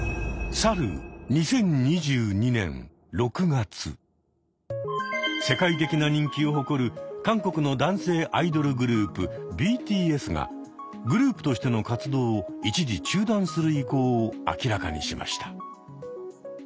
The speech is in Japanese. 去る世界的な人気を誇る韓国の男性アイドルグループ・ＢＴＳがグループとしての活動を一時中断する意向を明らかにしました。